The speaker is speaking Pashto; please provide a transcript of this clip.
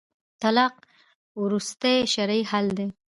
طلاق وروستی شرعي حل دی